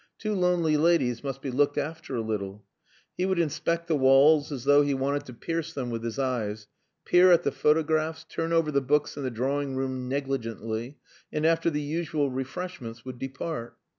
"Two lonely ladies must be looked after a little." He would inspect the walls as though he wanted to pierce them with his eyes, peer at the photographs, turn over the books in the drawing room negligently, and after the usual refreshments, would depart.